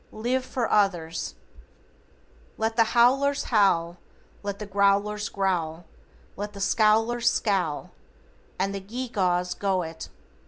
LIVE FOR OTHERS. "Let the howlers howl, Let the growlers growl, Let the scowlers scowl, And the gee gaws go it.